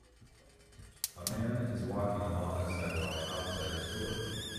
A man is walking along a sidewalk outside a store.